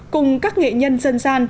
cùng các nghệ nhân dân gian